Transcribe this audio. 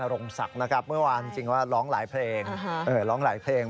อารมณ์ศักดิ์เมื่อวานจริงว่าร้องหลายเพลง